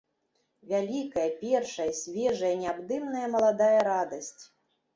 Вялікая, першая, свежая, неабдымная маладая радасць!